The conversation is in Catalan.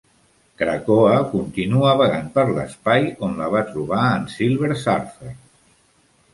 Krakoa continua vagant per l'espai on la va trobar en Silver Surfer.